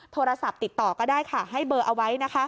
โทรศัพท์ติดต่อก็ได้ให้เบอร์เอาไว้